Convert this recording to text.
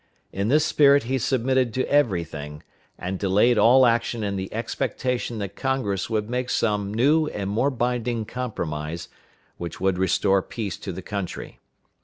In this spirit he submitted to every thing, and delayed all action in the expectation that Congress would make some new and more binding compromise which would restore peace to the country.